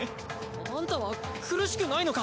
アンタは苦しくないのか？